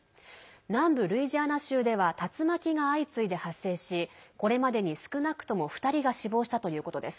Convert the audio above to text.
南部ルイジアナ州では竜巻が相次いで発生しこれまでに、少なくとも２人が死亡したということです。